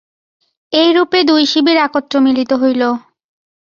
এইরূপে দুই শিবির একত্র মিলিত হইল।